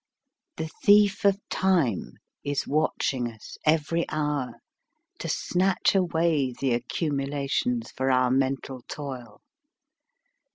The thief of time is watching us every hour to snatch away the accum ulations for our mental toil.